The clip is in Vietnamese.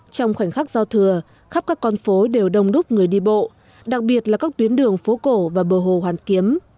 trong khoảnh khắc giao thừa khắp các con phố đều đông đúc người đi bộ đặc biệt là các tuyến đường phố cổ và bờ hồ hoàn kiếm